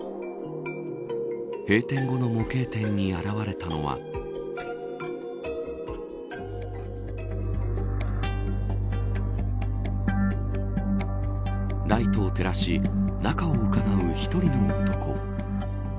閉店後の模型店に現れたのはライトを照らし中をうかがう１人の男。